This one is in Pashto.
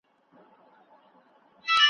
اته منفي يو؛ اووه پاته کېږي.